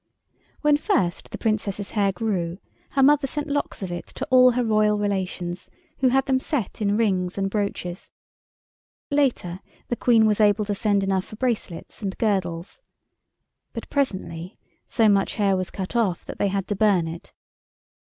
When first the Princess's hair grew her mother sent locks of it to all her Royal relations, who had them set in rings and brooches. Later, the Queen was able to send enough for bracelets and girdles. But presently so much hair was cut off that they had to burn it.